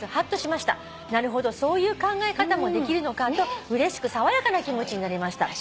「なるほどそういう考え方もできるのかとうれしく爽やかな気持ちになりました」